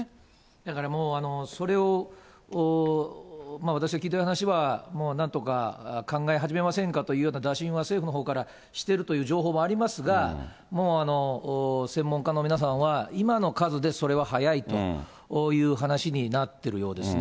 だからもうそれを私が聞いてる話は、なんとか考え始めませんかというような打診は、政府のほうからしているという情報もありますが、もう専門家の皆さんは、今の数でそれは早いという話になってるようですね。